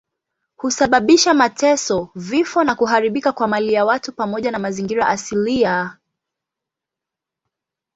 Husababisha mateso, vifo na kuharibika kwa mali ya watu pamoja na mazingira asilia.